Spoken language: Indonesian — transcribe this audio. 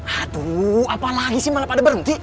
aduh apalagi sih malah pada berhenti